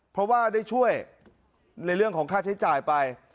เพราะว่าได้ช่วยในเรื่องของค่าใช้จ่ายไป